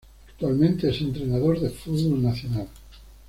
Actualmente es entrenador de fútbol nacional.